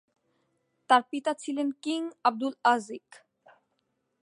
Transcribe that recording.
তার পিতা ছিলেন কিং আব্দুলআজিক।